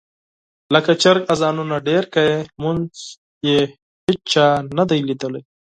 لکه چرګ اذانونه ډېر کوي، لمونځ یې هېچا نه دي لیدلی.